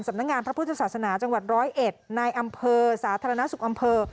สำนักงานทัพพฤทธิ์ศาสนาจังหวัด๑๐๑ในอำเภอศาสนรสุขอำเภอ